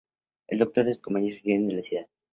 El Doctor y sus compañeros huyen de la ciudad.